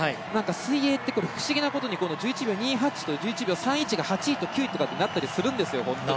水泳って不思議なことで１１秒２８と１１秒３１が８位と９位とかになったりするんです。